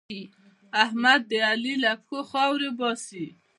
احمد د علي له پښو خاورې باسي.